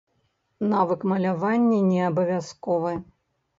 Навык малявання не абавязковы.